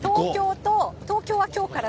東京はきょうから。